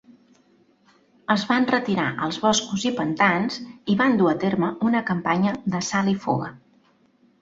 Es van retirar als boscos i pantans i van dur a terme una campanya d'assalt i fuga.